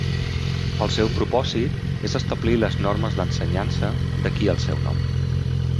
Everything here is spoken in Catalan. El seu propòsit és establir les normes d'ensenyança, d'aquí el seu nom.